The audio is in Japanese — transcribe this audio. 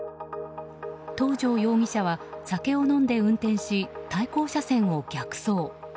東條容疑者は酒を飲んで運転し対向車線を逆走。